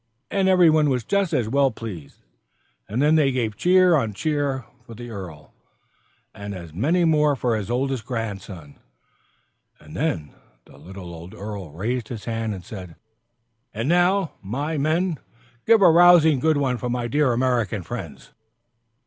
And every one was just as well pleased. And then they gave cheer on cheer for the earl, and as many more for his oldest grandson. And then the little old earl raised his hand and said, "And now, my men, give a rousing good one for my dear American friends!"